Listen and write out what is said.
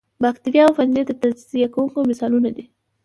باکتریا او فنجي د تجزیه کوونکو مثالونه دي